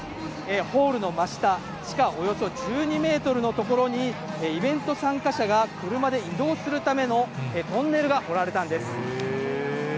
ホールの真下、地下およそ１２メートルの所に、イベント参加者が車で移動するためのトンネルが掘られたんです。